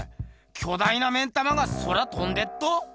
巨大な目ん玉が空とんでっと。